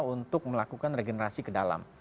untuk melakukan regenerasi ke dalam